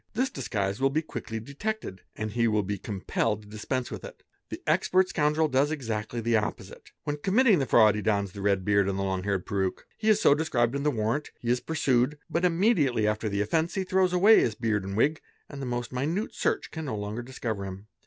This disguise will be quickly detected and he will be compelled to dispense _ with it. The expert scoundrel does exactly the opposite: when commit _ ting the fraud he dons the red beard and the long haired perruque ; he is so described in the warrant; he is pursued; but immediately after the offence, he throws away his beard and wig and the most minute search Mth car r Hae ai igh Sale Min M4 oS RL i 6 SLB AUN aR 4. repeat eg haa at eee . can no longer discover him.